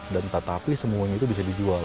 dan tetapi semuanya itu bisa dijual